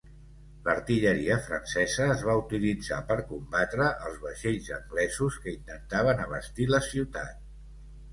L'artilleria francesa es va utilitzar per combatre els vaixells anglesos que intentaven abastir la ciutat.